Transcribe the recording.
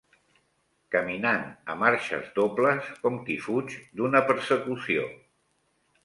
Caminant a marxes dobles com qui fuig d'una persecució